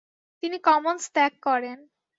তিনি কমন্স ত্যাগ করেন।